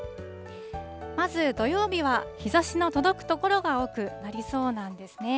まず土曜日は日ざしの届く所が多くなりそうなんですね。